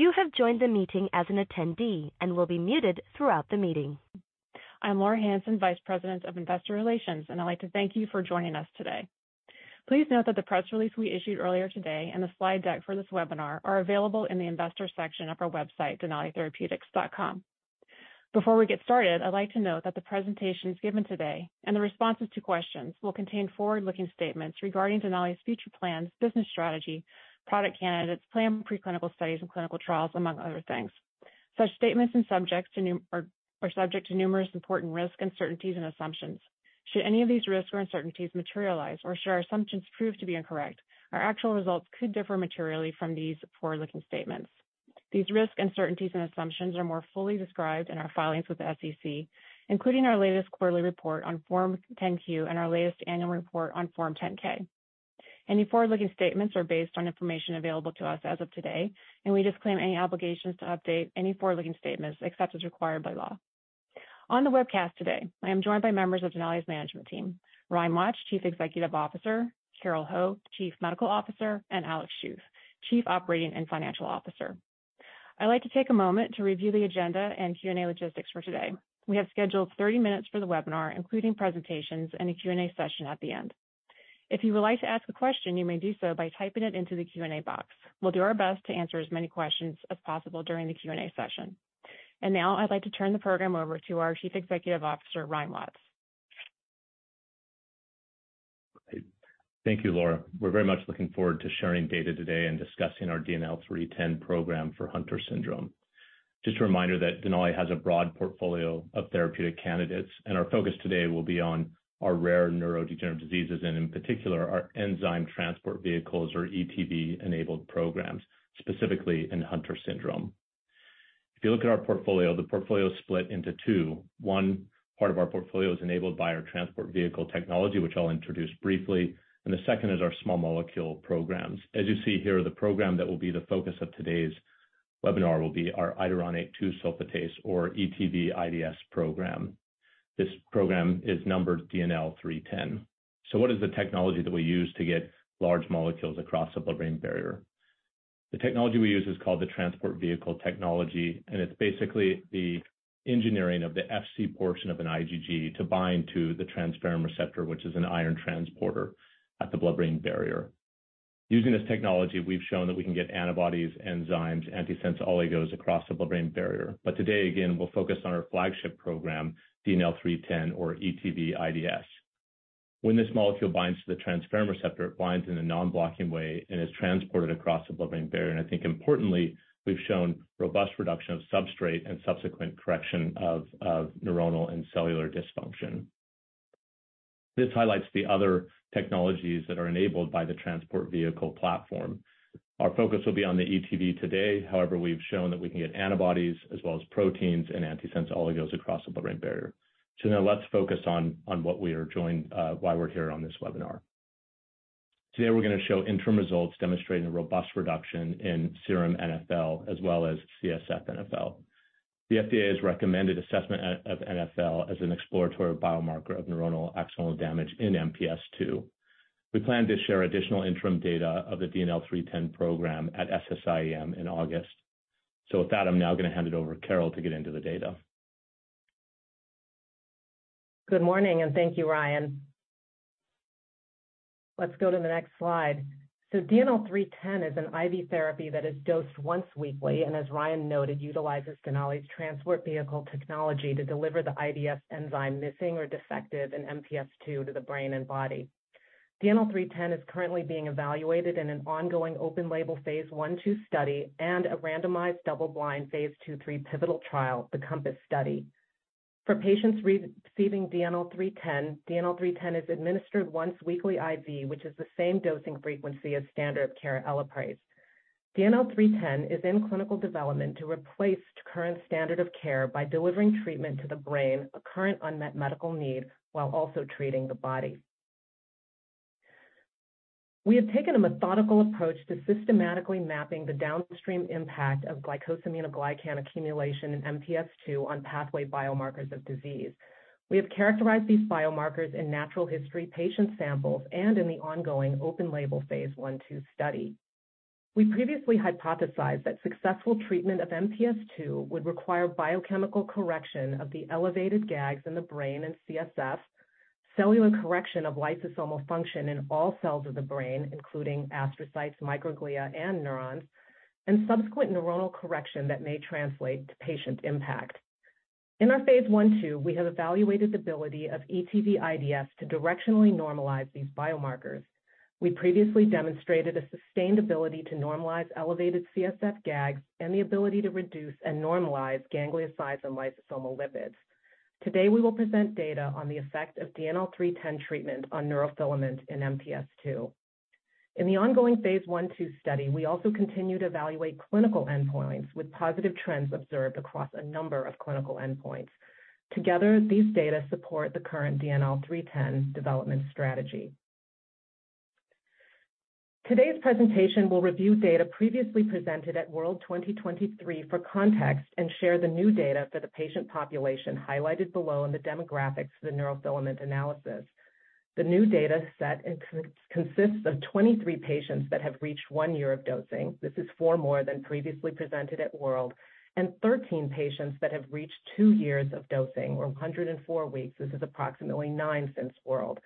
I'm Laura Hansen, Vice President of Investor Relations. I'd like to thank you for joining us today. Please note that the press release we issued earlier today and the slide deck for this webinar are available in the Investor section of our website, denalitherapeutics.com. Before we get started, I'd like to note that the presentations given today and the responses to questions will contain forward-looking statements regarding Denali's future plans, business strategy, product candidates, planned preclinical studies, and clinical trials, among other things. Such statements are subject to numerous important risks, uncertainties, and assumptions. Should any of these risks or uncertainties materialize, should our assumptions prove to be incorrect, our actual results could differ materially from these forward-looking statements. These risks, uncertainties, and assumptions are more fully described in our filings with the SEC, including our latest quarterly report on Form 10-Q and our latest annual report on Form 10-K. Any forward-looking statements are based on information available to us as of today, and we disclaim any obligations to update any forward-looking statements except as required by law. On the webcast today, I am joined by members of Denali's management team: Ryan Watts, Chief Executive Officer; Carole Ho, Chief Medical Officer; and Alexander Schuth, Chief Operating and Financial Officer. I'd like to take a moment to review the agenda and Q&A logistics for today. We have scheduled 30 minutes for the webinar, including presentations and a Q&A session at the end. If you would like to ask a question, you may do so by typing it into the Q&A box. We'll do our best to answer as many questions as possible during the Q&A session. Now I'd like to turn the program over to our Chief Executive Officer, Ryan Watts. Thank you, Laura. We're very much looking forward to sharing data today and discussing our DNL310 program for Hunter syndrome. Just a reminder that Denali has a broad portfolio of therapeutic candidates. Our focus today will be on our rare neurodegenerative diseases, in particular, our enzyme TransportVehicles or ETV-enabled programs, specifically in Hunter syndrome. If you look at our portfolio, the portfolio is split into two. One part of our portfolio is enabled by our TransportVehicle technology, which I'll introduce briefly. The second is our small molecule programs. As you see here, the program that will be the focus of today's webinar will be our iduronate-2-sulfatase or ETV:IDS program. This program is numbered DNL310. What is the technology that we use to get large molecules across the blood-brain barrier? The technology we use is called the TransportVehicle technology, and it's basically the engineering of the FC portion of an IgG to bind to the transferrin receptor, which is an iron transporter at the blood-brain barrier. Using this technology, we've shown that we can get antibodies, enzymes, antisense oligos across the blood-brain barrier. Today, again, we'll focus on our flagship program, DNL310 or ETV:IDS. When this molecule binds to the transferrin receptor, it binds in a non-blocking way and is transported across the blood-brain barrier. I think importantly, we've shown robust reduction of substrate and subsequent correction of neuronal and cellular dysfunction. This highlights the other technologies that are enabled by the TransportVehicle platform. Our focus will be on the ETV today. However, we've shown that we can get antibodies as well as proteins and antisense oligos across the blood-brain barrier. Now let's focus on what we are joined, why we're here on this webinar. Today, we're going to show interim results demonstrating a robust reduction in serum NfL as well as CSF NfL. The FDA has recommended assessment of NfL as an exploratory biomarker of neuronal axonal damage in MPS II. We plan to share additional interim data of the DNL310 program at SSIEM in August. With that, I'm now going to hand it over to Carole to get into the data. Good morning, and thank you, Ryan. Let's go to the next slide. DNL310 is an IV therapy that is dosed once weekly, and as Ryan noted, utilizes Denali's TransportVehicle technology to deliver the IDS enzyme, missing or defective in MPS II, to the brain and body. DNL310 is currently being evaluated in an ongoing open-label phase I/II study and a randomized, double-blind phase I/II pivotal trial, the COMPASS study. For patients receiving DNL310, DNL310 is administered once weekly IV, which is the same dosing frequency as standard of care ELAPRASE. DNL310 is in clinical development to replace the current standard of care by delivering treatment to the brain, a current unmet medical need, while also treating the body. We have taken a methodical approach to systematically mapping the downstream impact of glycosaminoglycan accumulation in MPS II on pathway biomarkers of disease. We have characterized these biomarkers in natural history patient samples and in the ongoing open-label phase I/II study. We previously hypothesized that successful treatment of MPS II would require biochemical correction of the elevated GAGs in the brain and CSF, cellular correction of lysosomal function in all cells of the brain, including astrocytes, microglia, and neurons, and subsequent neuronal correction that may translate to patient impact. In our phase I/II, we have evaluated the ability of ETV:IDS to directionally normalize these biomarkers. We previously demonstrated a sustained ability to normalize elevated CSF GAG and the ability to reduce and normalize gangliosides and lysosomal lipids. Today, we will present data on the effect of DNL310 treatment on neurofilament in MPS II. In the ongoing phase I/II study, we also continue to evaluate clinical endpoints with positive trends observed across a number of clinical endpoints. Together, these data support the current DNL310 development strategy. Today's presentation will review data previously presented at World 2023 for context and share the new data for the patient population highlighted below in the demographics for the neurofilament analysis. The new data set consists of 23 patients that have reached one year of dosing. This is four more than previously presented at World, and 13 patients that have reached two years of dosing, or 104 weeks. This is approximately nine since World.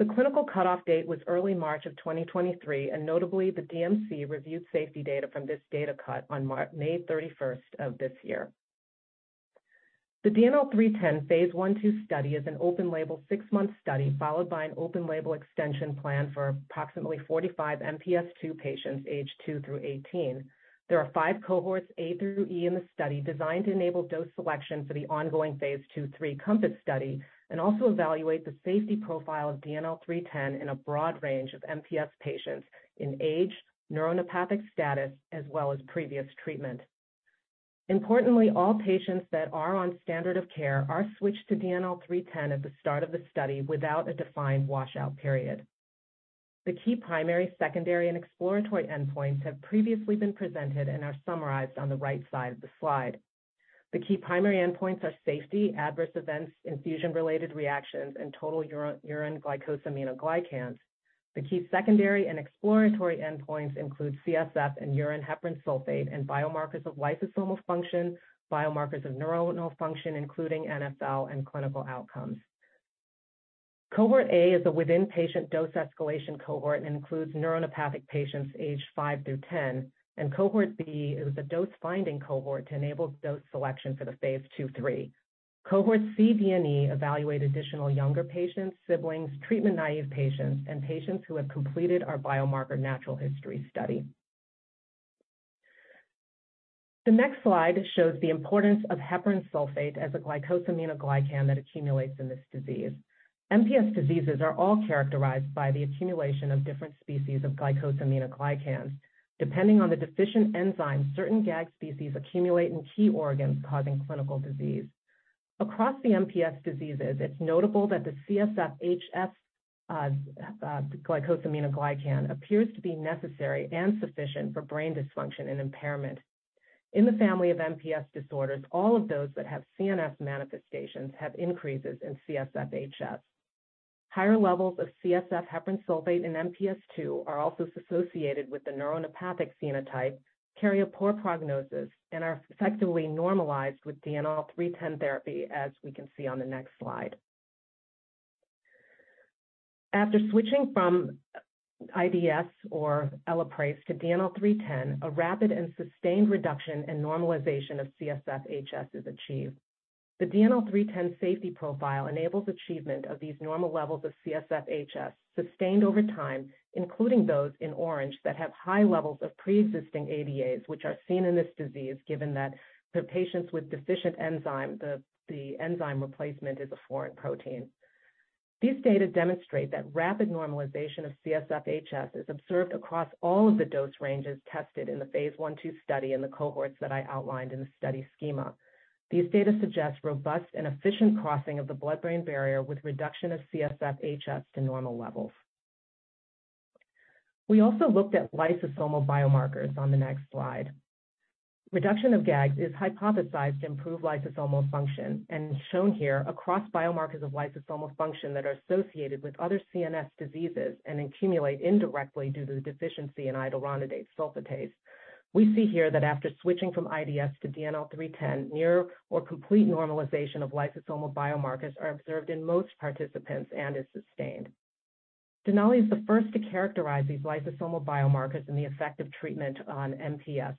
The clinical cutoff date was early March of 2023, and notably, the DMC reviewed safety data from this data cut on May 31st of this year. The DNL310 phase I/II study is an open-label, six-month study, followed by an open-label extension plan for approximately 45 MPS II patients, aged two through 18. There are five cohorts, A through E, in the study, designed to enable dose selection for the ongoing phase II/III COMPASS study and also evaluate the safety profile of DNL310 in a broad range of MPS patients in age, neuronopathic status, as well as previous treatment. Importantly, all patients that are on standard of care are switched to DNL310 at the start of the study without a defined washout period. The key primary, secondary, and exploratory endpoints have previously been presented and are summarized on the right side of the slide. The key primary endpoints are safety, adverse events, infusion-related reactions, and total urine glycosaminoglycans. The key secondary and exploratory endpoints include CSF and urine heparan sulfate and biomarkers of lysosomal function, biomarkers of neuronal function, including NfL and clinical outcomes. Cohort A is a within-patient dose escalation cohort and includes neuronopathic patients aged five through 10. Cohort B is a dose-finding cohort to enable dose selection for the phase II/III. Cohorts C, D, and E evaluate additional younger patients, siblings, treatment-naive patients, and patients who have completed our biomarker natural history study. The next slide shows the importance of heparan sulfate as a glycosaminoglycan that accumulates in this disease. MPS diseases are all characterized by the accumulation of different species of glycosaminoglycans. Depending on the deficient enzyme, certain GAG species accumulate in key organs, causing clinical disease. Across the MPS diseases, it's notable that the CSF HS glycosaminoglycan appears to be necessary and sufficient for brain dysfunction and impairment. In the family of MPS disorders, all of those that have CNS manifestations have increases in CSF HS. Higher levels of CSF heparan sulfate in MPS II are also associated with the neuronopathic phenotype, carry a poor prognosis, and are effectively normalized with DNL310 therapy, as we can see on the next slide. After switching from IDS or ELAPRASE to DNL310, a rapid and sustained reduction and normalization of CSF HS is achieved. The DNL310 safety profile enables achievement of these normal levels of CSF HS, sustained over time, including those in orange that have high levels of pre-existing ADAs, which are seen in this disease, given that for patients with deficient enzyme, the enzyme replacement is a foreign protein. These data demonstrate that rapid normalization of CSF HS is observed across all of the dose ranges tested in the phase I/II study in the cohorts that I outlined in the study schema. These data suggest robust and efficient crossing of the blood-brain barrier with reduction of CSF HS to normal levels. We also looked at lysosomal biomarkers on the next slide. Reduction of GAG is hypothesized to improve lysosomal function and is shown here across biomarkers of lysosomal function that are associated with other CNS diseases and accumulate indirectly due to the deficiency in iduronate-2-sulfatase. We see here that after switching from IDS to DNL310, near or complete normalization of lysosomal biomarkers are observed in most participants and is sustained. Denali is the first to characterize these lysosomal biomarkers and the effect of treatment on MPS.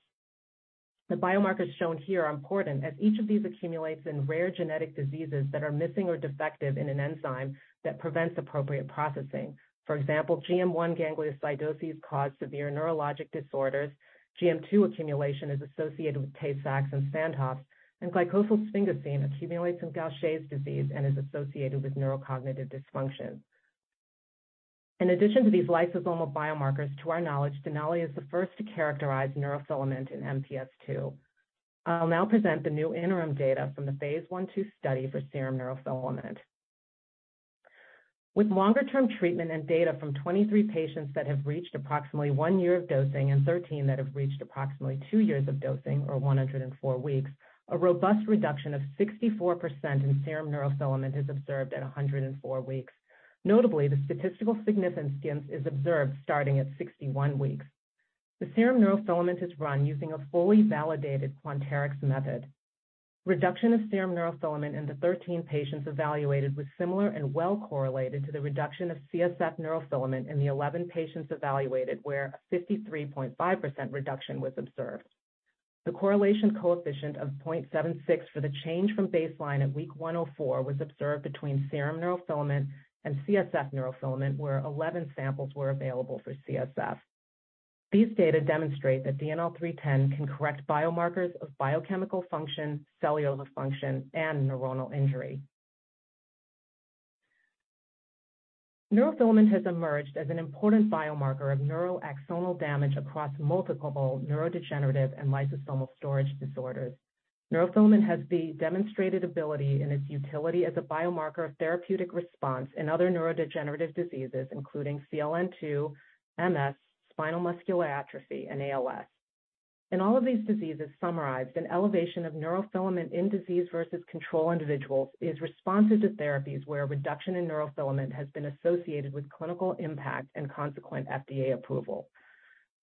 The biomarkers shown here are important, as each of these accumulates in rare genetic diseases that are missing or defective in an enzyme that prevents appropriate processing. For example, GM1 gangliosidosis cause severe neurologic disorders. GM2 accumulation is associated with Tay-Sachs and Sandhoff, and glucosylsphingosine accumulates in Gaucher disease and is associated with neurocognitive dysfunction. In addition to these lysosomal biomarkers, to our knowledge, Denali is the first to characterize neurofilament in MPS II. I'll now present the new interim data from the phase I/II study for serum neurofilament. With longer-term treatment and data from 23 patients that have reached approximately one year of dosing and 13 that have reached approximately two years of dosing, or 104 weeks, a robust reduction of 64% in serum neurofilament is observed at 104 weeks. Notably, the statistical significance is observed starting at 61 weeks. The serum neurofilament is run using a fully validated Quanterix method. Reduction of serum neurofilament in the 13 patients evaluated was similar and well correlated to the reduction of CSF neurofilament in the 11 patients evaluated, where a 53.5% reduction was observed. The correlation coefficient of 0.76 for the change from baseline at week 104 was observed between serum neurofilament and CSF neurofilament, where 11 samples were available for CSF. These data demonstrate that DNL310 can correct biomarkers of biochemical function, cellular function, and neuronal injury. Neurofilament has emerged as an important biomarker of neuroaxonal damage across multiple neurodegenerative and lysosomal storage disorders. Neurofilament has the demonstrated ability in its utility as a biomarker of therapeutic response in other neurodegenerative diseases, including CLN2, MS, spinal muscular atrophy, and ALS.... In all of these diseases summarized, an elevation of neurofilament in disease versus control individuals is responsive to therapies where reduction in neurofilament has been associated with clinical impact and consequent FDA approval.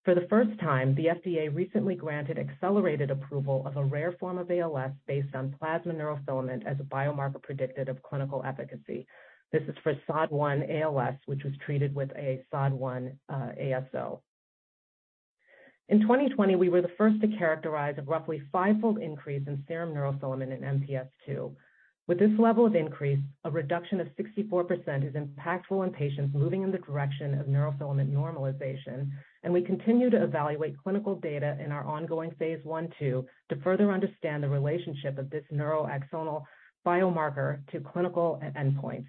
For the first time, the FDA recently granted accelerated approval of a rare form of ALS based on plasma neurofilament as a biomarker predicted of clinical efficacy. This is for SOD1 ALS, which was treated with a SOD1 ASO. In 2020, we were the first to characterize a roughly five-fold increase in serum neurofilament in MPS II. With this level of increase, a reduction of 64% is impactful in patients moving in the direction of neurofilament normalization, and we continue to evaluate clinical data in our ongoing phase I /II to further understand the relationship of this neuroaxonal biomarker to clinical endpoints.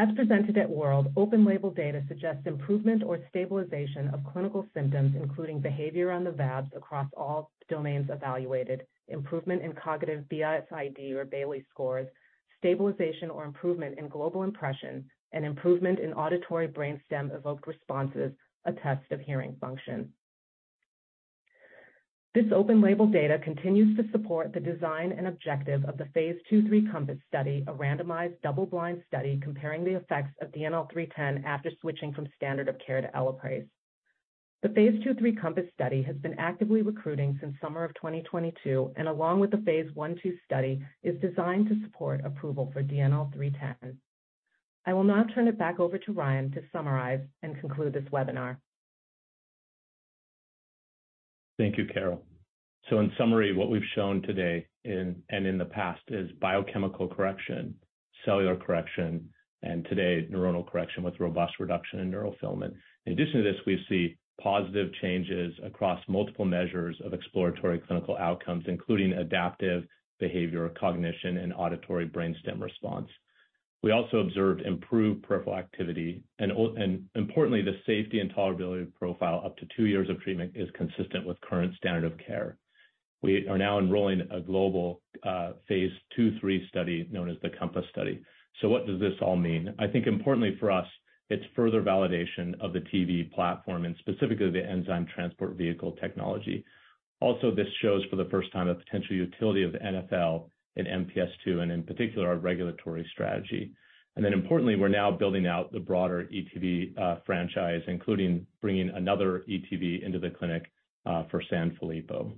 As presented at World, open label data suggests improvement or stabilization of clinical symptoms, including behavior on the VABS, across all domains evaluated, improvement in cognitive BSID or Bayley scores, stabilization or improvement in global impressions, and improvement in auditory brainstem evoked responses, a test of hearing function. This open label data continues to support the design and objective of the phase II/III COMPASS study, a randomized, double-blind study comparing the effects of DNL310 after switching from standard of care to ELAPRASE. The phase II/III COMPASS study has been actively recruiting since summer of 2022, and along with the phase I/II study, is designed to support approval for DNL310. I will now turn it back over to Ryan to summarize and conclude this webinar. Thank you, Carole. In summary, what we've shown today in, and in the past is biochemical correction, cellular correction, and today, neuronal correction with robust reduction in neurofilament. In addition to this, we see positive changes across multiple measures of exploratory clinical outcomes, including adaptive behavior, cognition, and auditory brainstem response. We also observed improved peripheral activity and importantly, the safety and tolerability profile up to two years of treatment is consistent with current standard of care. We are now enrolling a global phase II/III study known as the COMPASS study. What does this all mean? I think importantly for us, it's further validation of the TV platform and specifically the enzyme TransportVehicle technology. This shows, for the first time, the potential utility of NfL in MPS II, and in particular, our regulatory strategy. Importantly, we're now building out the broader ETV franchise, including bringing another ETV into the clinic for Sanfilippo.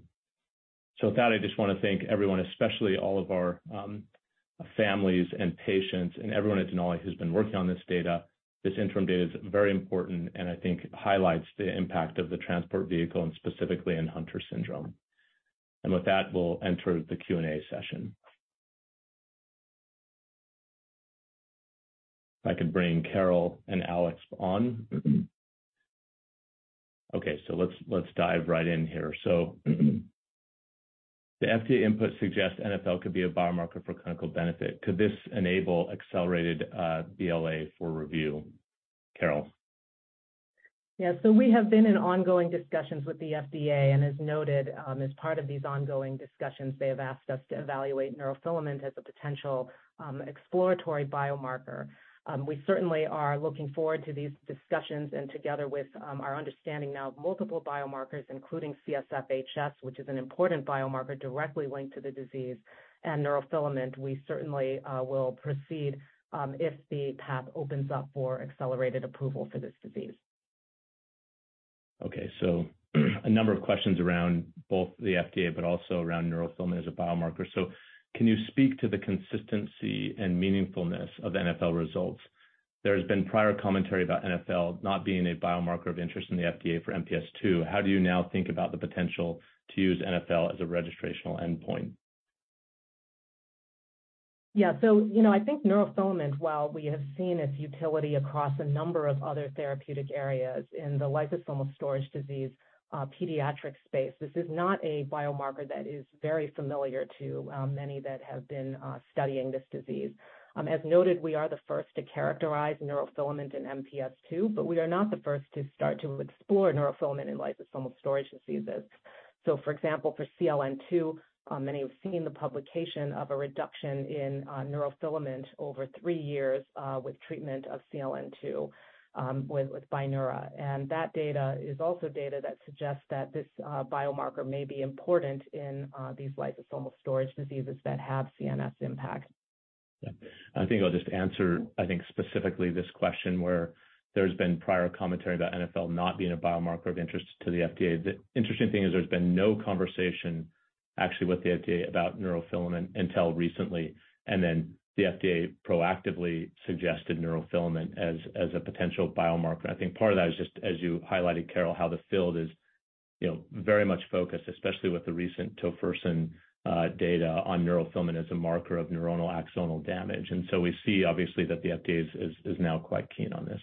With that, I just want to thank everyone, especially all of our families and patients and everyone at Denali who's been working on this data. This interim data is very important, and I think highlights the impact of the TransportVehicle and specifically in Hunter syndrome. With that, we'll enter the Q&A session. If I could bring Carole and Alex on. Let's dive right in here. The FDA input suggests NfL could be a biomarker for clinical benefit. Could this enable accelerated BLA for review? Carole? We have been in ongoing discussions with the FDA, as noted, as part of these ongoing discussions, they have asked us to evaluate neurofilament as a potential exploratory biomarker. We certainly are looking forward to these discussions together with our understanding now of multiple biomarkers, including CSF HS, which is an important biomarker directly linked to the disease and neurofilament, we certainly will proceed if the path opens up for accelerated approval for this disease. A number of questions around both the FDA, also around neurofilament as a biomarker. Can you speak to the consistency and meaningfulness of NfL results? There has been prior commentary about NfL not being a biomarker of interest in the FDA for MPS II. How do you now think about the potential to use NfL as a registrational endpoint? Yeah. You know, I think neurofilament, while we have seen its utility across a number of other therapeutic areas in the lysosomal storage diseases, pediatric space, this is not a biomarker that is very familiar to many that have been studying this disease. As noted, we are the first to characterize neurofilament in MPS II, but we are not the first to start to explore neurofilament in lysosomal storage diseases. For example, for CLN2, many have seen the publication of a reduction in neurofilament over three years with treatment of CLN2 with Brineura. That data is also data that suggests that this biomarker may be important in these lysosomal storage diseases that have CNS impact. Yeah. I think I'll just answer, I think, specifically this question, where there's been prior commentary about NfL not being a biomarker of interest to the FDA. The interesting thing is there's been no conversation actually with the FDA about neurofilament until recently. The FDA proactively suggested neurofilament as a potential biomarker. I think part of that is just as you highlighted, Carole, how the field is, you know, very much focused, especially with the recent tofersen data on neurofilament as a marker of neuronal axonal damage. We see obviously, that the FDA is now quite keen on this.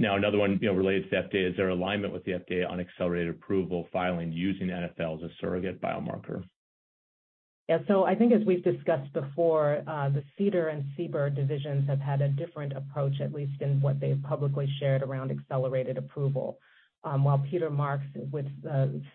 Now, another one, you know, related to the FDA. Is there alignment with the FDA on accelerated approval filing using NfL as a surrogate biomarker? I think as we've discussed before, the CDER and CBER divisions have had a different approach, at least in what they've publicly shared around accelerated approval. While Peter Marks with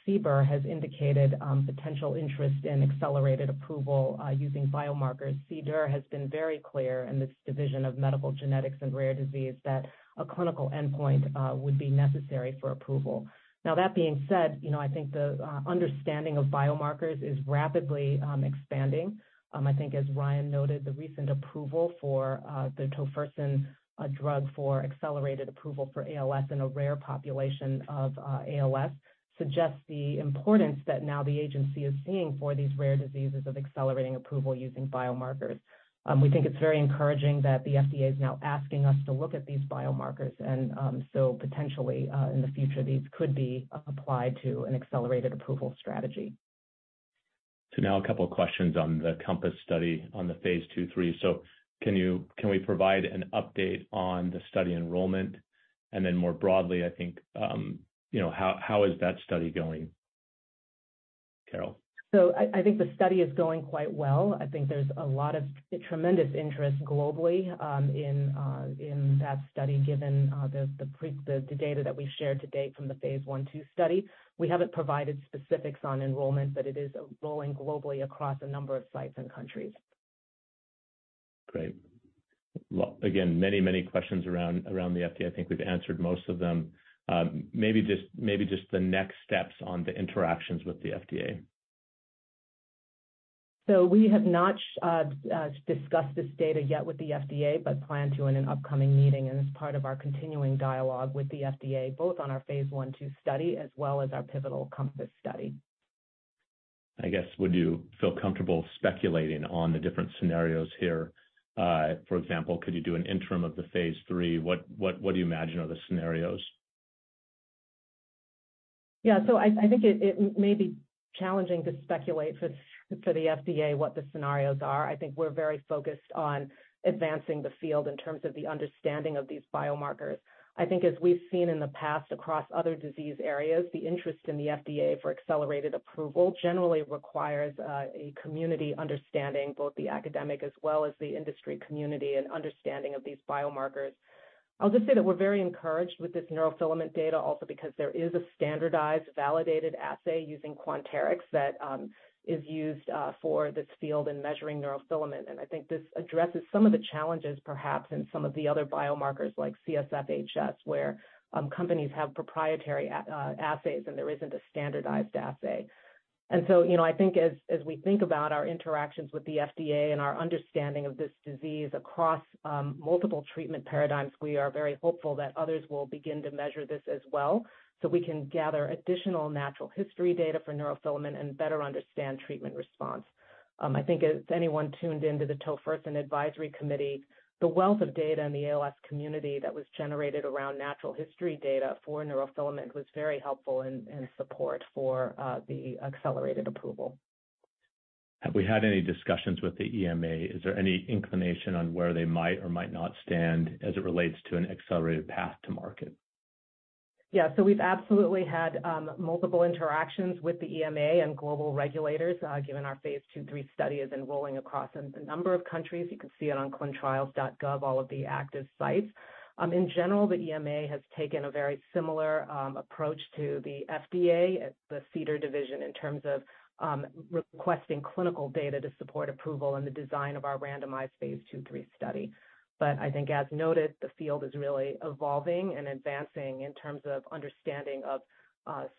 CBER has indicated potential interest in accelerated approval using biomarkers, CDER has been very clear in this division of medical genetics and rare disease that a clinical endpoint would be necessary for approval. That being said, you know, I think the understanding of biomarkers is rapidly expanding. I think as Ryan noted, the recent approval for the tofersen, a drug for accelerated approval for ALS in a rare population of ALS, suggests the importance that now the agency is seeing for these rare diseases of accelerating approval using biomarkers. We think it's very encouraging that the FDA is now asking us to look at these biomarkers and, so potentially, in the future, these could be applied to an accelerated approval strategy. Now a couple of questions on the COMPASS study on the phase II, III. Can we provide an update on the study enrollment? Then more broadly, I think, you know, how is that study going, Carole? I think the study is going quite well. I think there's a lot of tremendous interest globally, in that study, given the data that we've shared to date from the phase I, II study. We haven't provided specifics on enrollment, but it is rolling globally across a number of sites and countries. Great. Well, again, many questions around the FDA. I think we've answered most of them. Maybe just the next steps on the interactions with the FDA. We have not discussed this data yet with the FDA, but plan to in an upcoming meeting and as part of our continuing dialogue with the FDA, both on our phase I/II study as well as our pivotal COMPASS study. I guess, would you feel comfortable speculating on the different scenarios here? For example, could you do an interim of the phase III? What do you imagine are the scenarios? I think it may be challenging to speculate for the FDA what the scenarios are. I think we're very focused on advancing the field in terms of the understanding of these biomarkers. I think as we've seen in the past across other disease areas, the interest in the FDA for accelerated approval generally requires a community understanding, both the academic as well as the industry community, and understanding of these biomarkers. I'll just say that we're very encouraged with this neurofilament data also because there is a standardized, validated assay using Quanterix that is used for this field in measuring neurofilament. I think this addresses some of the challenges, perhaps, in some of the other biomarkers, like CSF HS, where companies have proprietary assays, and there isn't a standardized assay. You know, I think as we think about our interactions with the FDA and our understanding of this disease across multiple treatment paradigms, we are very hopeful that others will begin to measure this as well, so we can gather additional natural history data for neurofilament and better understand treatment response. I think if anyone tuned in to the Tofersen Advisory Committee, the wealth of data in the ALS community that was generated around natural history data for neurofilament was very helpful in support for the accelerated approval. Have we had any discussions with the EMA? Is there any inclination on where they might or might not stand as it relates to an accelerated path to market? We've absolutely had multiple interactions with the EMA and global regulators, given our phase II/III study is enrolling across a number of countries. You can see it on ClinicalTrials.gov, all of the active sites. In general, the EMA has taken a very similar approach to the FDA, the CDER division, in terms of requesting clinical data to support approval and the design of our randomized phase II/III study. I think as noted, the field is really evolving and advancing in terms of understanding of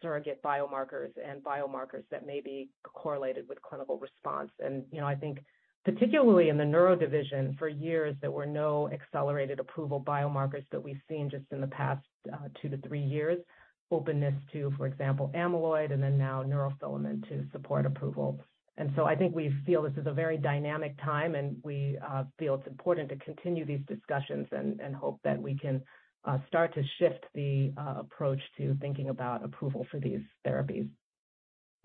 surrogate biomarkers and biomarkers that may be correlated with clinical response. You know, I think particularly in the neuro division, for years, there were no accelerated approval biomarkers that we've seen just in the past two to three years. Openness to, for example, amyloid and then now neurofilament to support approval. I think we feel this is a very dynamic time, and we feel it's important to continue these discussions and hope that we can start to shift the approach to thinking about approval for these therapies.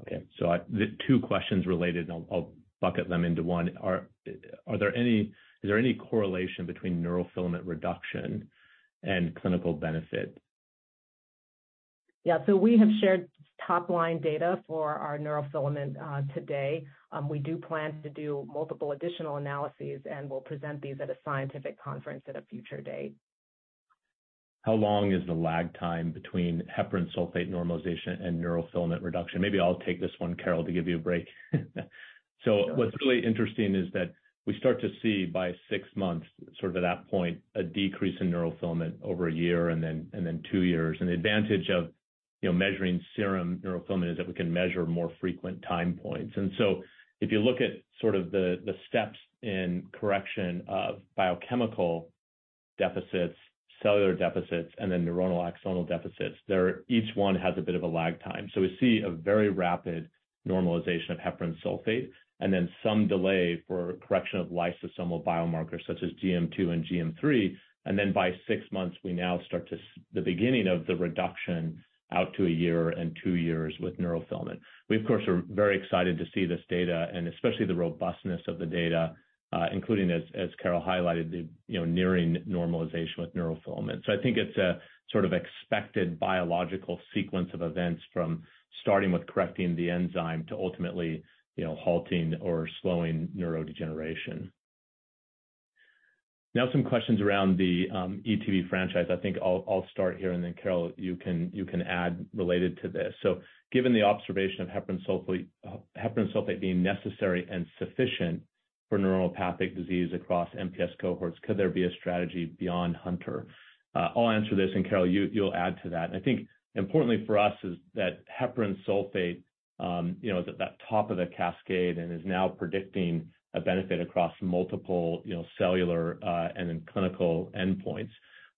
The two questions related, and I'll bucket them into one. Is there any correlation between neurofilament reduction and clinical benefit? Yeah, we have shared top-line data for our neurofilament today. We do plan to do multiple additional analyses, and we'll present these at a scientific conference at a future date. How long is the lag time between heparan sulfate normalization and neurofilament reduction? Maybe I'll take this one, Carole, to give you a break. What's really interesting is that we start to see by six months, sort of at that point, a decrease in neurofilament over one year and then two years. The advantage of, you know, measuring serum neurofilament is that we can measure more frequent time points. If you look at sort of the steps in correction of biochemical deficits, cellular deficits, and then neuronal axonal deficits, they're. Each one has a bit of a lag time. We see a very rapid normalization of heparan sulfate, and then some delay for correction of lysosomal biomarkers such as GM2 and GM3. By six months, we now start the beginning of the reduction out to one year and two years with neurofilament. We, of course, are very excited to see this data and especially the robustness of the data, including, as Carole highlighted, the, you know, nearing normalization with neurofilament. I think it's a sort of expected biological sequence of events from starting with correcting the enzyme to ultimately, you know, halting or slowing neurodegeneration. Now some questions around the ETV franchise. I think I'll start here, and then, Carole, you can add related to this. Given the observation of heparan sulfate being necessary and sufficient for neuropathic disease across MPS cohorts, could there be a strategy beyond Hunter? I'll answer this, and Carole, you'll add to that. I think importantly for us is that heparan sulfate, you know, is at that top of the cascade and is now predicting a benefit across multiple, you know, cellular and then clinical endpoints.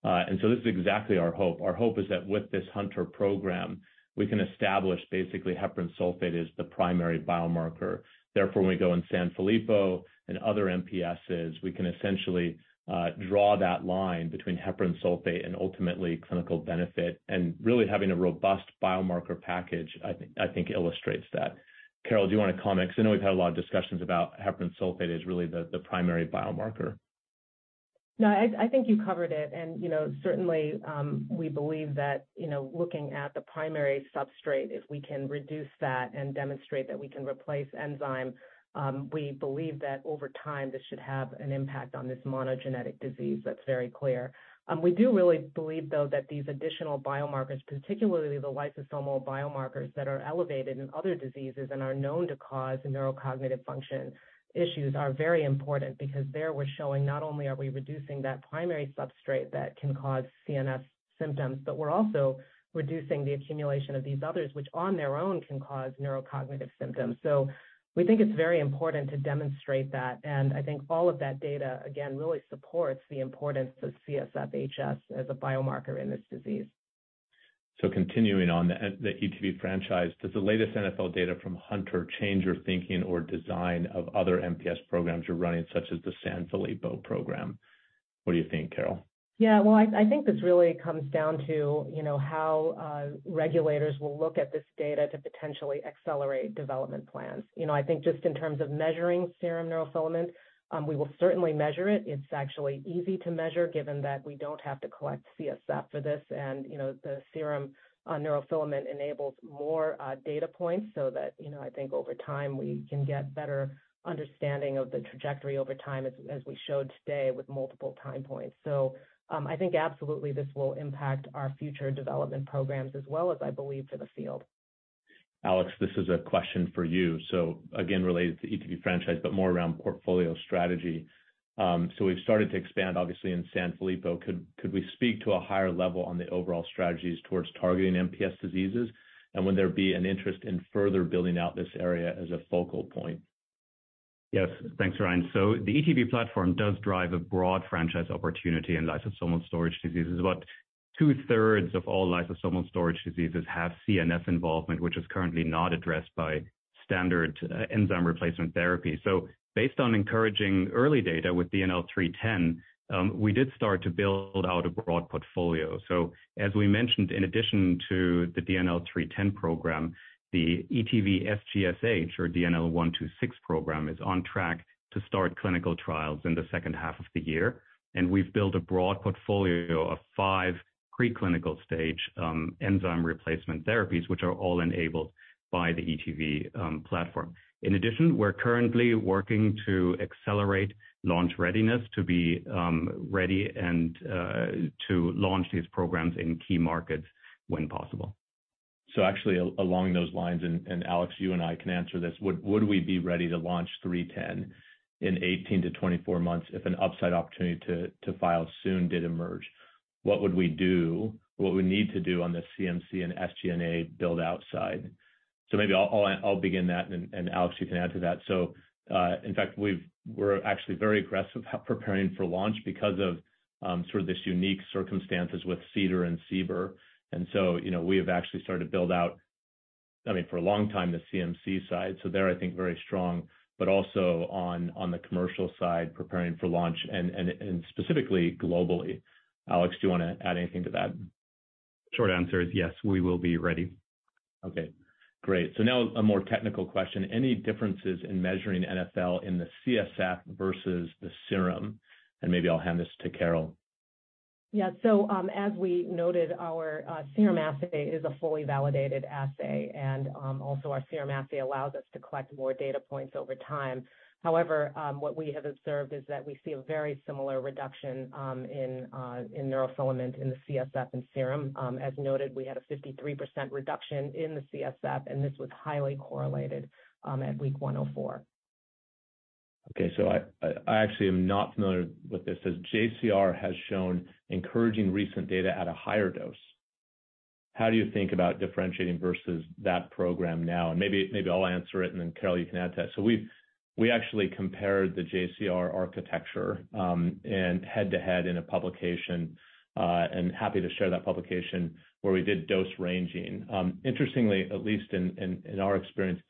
This is exactly our hope. Our hope is that with this Hunter program, we can establish basically heparan sulfate as the primary biomarker. Therefore, when we go in Sanfilippo and other MPSs, we can essentially draw that line between heparan sulfate and ultimately clinical benefit, and really having a robust biomarker package, I think illustrates that. Carole, do you want to comment? Because I know we've had a lot of discussions about heparan sulfate as really the primary biomarker. No, I think you covered it. You know, certainly, we believe that, you know, looking at the primary substrate, if we can reduce that and demonstrate that we can replace enzyme, we believe that over time, this should have an impact on this monogenetic disease. That's very clear. We do really believe, though, that these additional biomarkers, particularly the lysosomal biomarkers that are elevated in other diseases and are known to cause neurocognitive function issues, are very important. There we're showing not only are we reducing that primary substrate that can cause CNS symptoms, but we're also reducing the accumulation of these others, which on their own can cause neurocognitive symptoms. We think it's very important to demonstrate that. I think all of that data, again, really supports the importance of CSF HS as a biomarker in this disease. Continuing on the ETV franchise, does the latest NfL data from Hunter change your thinking or design of other MPS programs you're running, such as the Sanfilippo program? What do you think, Carole? Well, I think this really comes down to, you know, how regulators will look at this data to potentially accelerate development plans. You know, I think just in terms of measuring serum neurofilament, we will certainly measure it. It's actually easy to measure, given that we don't have to collect CSF for this. You know, the serum neurofilament enables more data points so that, you know, I think over time, we can get better understanding of the trajectory over time as we showed today with multiple time points. I think absolutely this will impact our future development programs as well as, I believe, for the field. Alex, this is a question for you. Again, related to ETV franchise, but more around portfolio strategy. We've started to expand, obviously, in Sanfilippo. Could we speak to a higher level on the overall strategies towards targeting MPS diseases? Would there be an interest in further building out this area as a focal point? Yes. Thanks, Ryan. The ETV platform does drive a broad franchise opportunity in lysosomal storage diseases. About two-thirds of all lysosomal storage diseases have CNS involvement, which is currently not addressed by standard enzyme replacement therapy. Based on encouraging early data with DNL310, we did start to build out a broad portfolio. As we mentioned, in addition to the DNL310 program, the ETV:SGSH, or DNL126 program, is on track to start clinical trials in the second half of the year. We've built a broad portfolio of five preclinical-stage enzyme replacement therapies, which are all enabled by the ETV platform. In addition, we're currently working to accelerate launch readiness to be ready and to launch these programs in key markets when possible. Actually, along those lines, Alex, you and I can answer this: Would we be ready to launch 310 in 18-24 months if an upside opportunity to file soon did emerge? What would we do? What would we need to do on the CMC and commercial build-out side? Maybe I'll begin that, Alex, you can add to that. In fact, we're actually very aggressive preparing for launch because of sort of this unique circumstances with CDER and CBER. You know, we have actually started to build out, I mean, for a long time, the CMC side, so they're, I think, very strong, but also on the commercial side, preparing for launch specifically globally. Alex, do you want to add anything to that? Short answer is yes, we will be ready. Okay, great. Now a more technical question. Any differences in measuring NfL in the CSF versus the serum? Maybe I'll hand this to Carole. Yeah. As we noted, our serum assay is a fully validated assay, and also our serum assay allows us to collect more data points over time. However, what we have observed is that we see a very similar reduction in neurofilament in the CSF and serum. As noted, we had a 53% reduction in the CSF, and this was highly correlated at week 104. Okay, I actually am not familiar with this. As JCR has shown encouraging recent data at a higher dose, how do you think about differentiating versus that program now? Maybe I'll answer it, and then, Carole, you can add to that. We actually compared the JCR architecture, and head-to-head in a publication, and happy to share that publication where we did dose ranging. Interestingly, at least in our experience,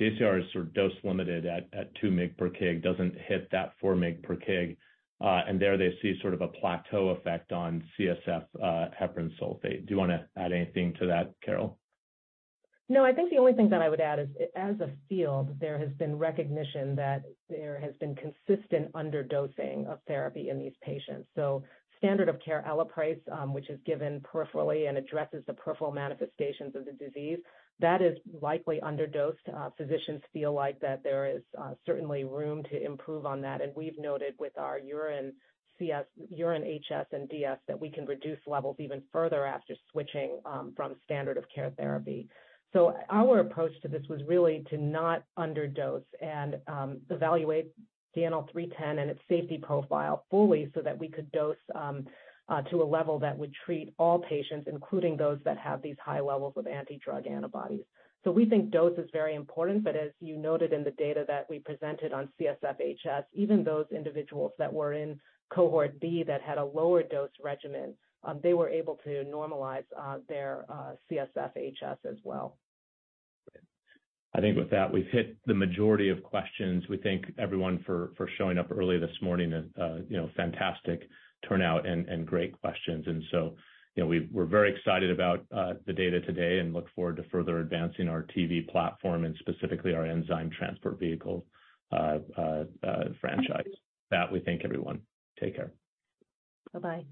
JCR is sort of dose limited at 2 mg per kg, doesn't hit that 4 mg per kg, and there they see sort of a plateau effect on CSF heparan sulfate. Do you want to add anything to that, Carole? I think the only thing that I would add is, as a field, there has been recognition that there has been consistent underdosing of therapy in these patients. Standard of care ELAPRASE, which is given peripherally and addresses the peripheral manifestations of the disease, that is likely underdosed. Physicians feel like that there is certainly room to improve on that. We've noted with our urine HS and DS, that we can reduce levels even further after switching from standard of care therapy. Our approach to this was really to not underdose and evaluate DNL310 and its safety profile fully so that we could dose to a level that would treat all patients, including those that have these high levels of anti-drug antibodies. We think dose is very important, but as you noted in the data that we presented on CSF HS, even those individuals that were in Cohort B that had a lower dose regimen, they were able to normalize their CSF HS as well. I think with that, we've hit the majority of questions. We thank everyone for showing up early this morning and, you know, fantastic turnout and great questions. You know, we're very excited about the data today and look forward to further advancing our TV platform and specifically our enzyme TransportVehicle franchise. With that, we thank everyone. Take care. Bye-bye.